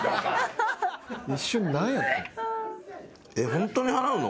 ホントに払うの？